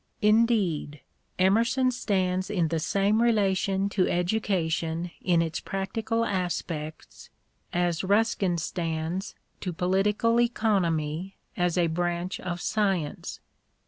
Indeed, Emerson stands in the same relation to education in its practical aspects as Ruskin stands to political economy as a branch of science.